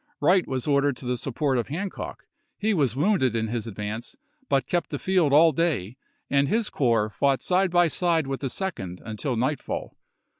Wright was ordered to the support of Hancock ; he was wounded in his ad vance, but kept the field all day, and his corps Mayi2,i864. fought side by side with the Second until nightfall.